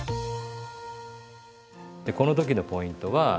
でこの時のポイントは。